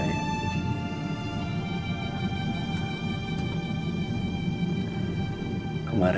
saya harap kamu bahagia ya